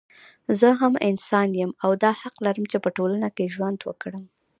زه هم انسان يم او دا حق لرم چې په ټولنه کې ژوند وکړم